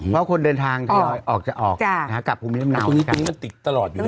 เพราะคนเดินทางอ๋อออกจะออกจ้ะนะฮะกลับพรุ่งเมียมเงาตรงนี้มันติดตลอดอยู่แล้ว